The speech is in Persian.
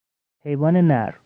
حیوان نر